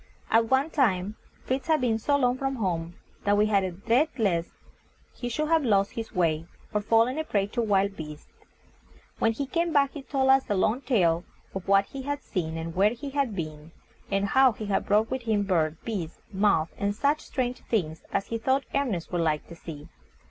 At one time, Fritz had been so long from home that we had a dread lest he should have lost his way, or fallen a prey to wild beasts. When he came back he told us a long tale of what he had seen and where he had been, and how he had brought with him birds, beasts, moths, and such strange things as he thought Ernest would like to see.